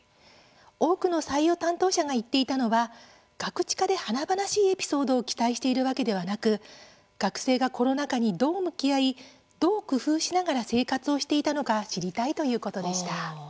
多くの採用担当者が言っていたのはガクチカで華々しいエピソードを期待しているわけではなく学生がコロナ禍に、どう向き合いどう工夫しながら生活をしていたのか知りたいということでした。